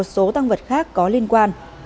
số tăng vật khác có liên quan